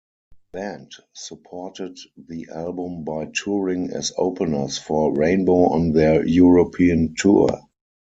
Band supported the album by touring as openers for Rainbow on their European tour.